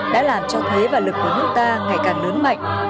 đã làm cho thế và lực của nước ta ngày càng lớn mạnh